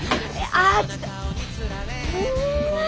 あっちょっとん。